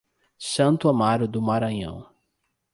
Santo Amaro do Maranhão